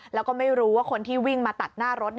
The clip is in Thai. แล้วก็ไม่รู้ว่าคนที่วิ่งมาตัดหน้ารถ